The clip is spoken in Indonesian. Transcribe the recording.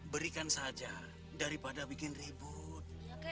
berikan saja daripada bikin ribut